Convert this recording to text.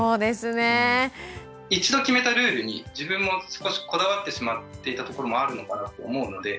一度決めたルールに自分も少しこだわってしまっていたところもあるのかなと思うので。